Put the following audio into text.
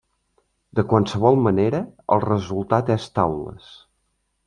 De qualsevol manera, el resultat és taules.